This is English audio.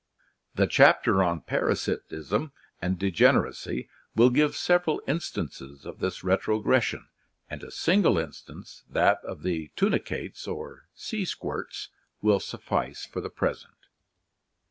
The chapter on parasitism and de generacy (Chapter XVII) will give several instances of this retro gression, and a single instance, that of the tunicates or sea squirts, will suffice for the present.